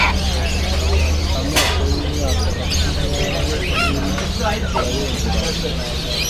Amaso yimyaka makumyabiri arabengerana